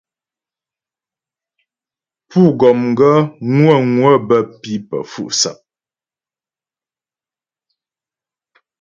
Pú gɔm gaə́ ŋwə̌ŋwə bə́ pǐ pə́ fu'sap.